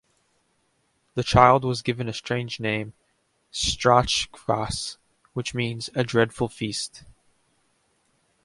The child was given a strange name: Strachkvas, which means "a dreadful feast".